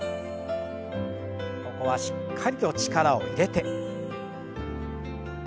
ここはしっかりと力を入れて。